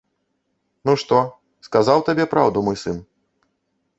Ну, што, сказаў табе праўду мой сын?